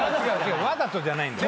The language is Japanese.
わざとじゃないんだよ。